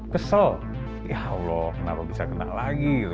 kesel ya allah kenapa bisa kena lagi gitu